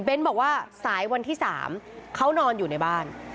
บอกว่าสายวันที่๓เขานอนอยู่ในบ้าน